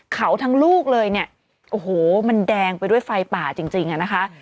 เขาทั้งลูกเลยเนี่ยโอ้โหมันแดงไปด้วยไฟป่าจริงอะนะคะ